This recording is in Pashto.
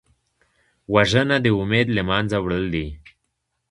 وژنه د امید له منځه وړل دي